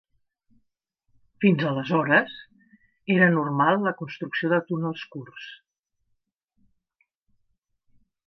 Fins aleshores, era normal la construcció de túnels curts.